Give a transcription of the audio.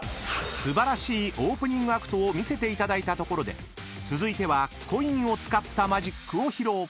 ［素晴らしいオープニングアクトを見せていただいたところで続いてはコインを使ったマジックを披露］